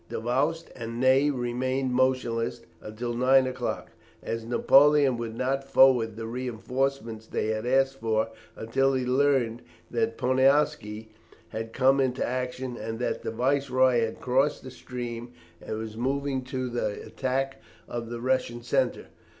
Davoust and Ney remained motionless until nine o'clock, as Napoleon would not forward the reinforcements they had asked for until he learned that Poniatowski had come into action, and that the Viceroy had crossed the stream and was moving to the attack of the Russian centre.